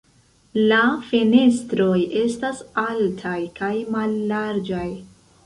La fenestroj estas altaj kaj mallarĝaj.